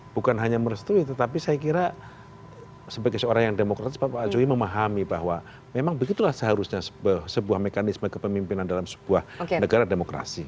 bukan hanya merestui tetapi saya kira sebagai seorang yang demokratis pak jokowi memahami bahwa memang begitulah seharusnya sebuah mekanisme kepemimpinan dalam sebuah negara demokrasi